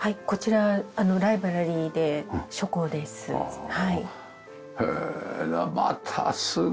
こちらライブラリーで書庫です。